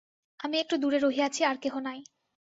আমি একটু দূরে রহিয়াছি, আর কেহ নাই।